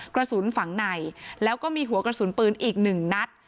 กระสุนฝังในแล้วก็มีหัวกระสุนปืนอีกหนึ่งนัด